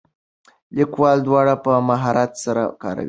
لیکوال دواړه په مهارت سره کاروي.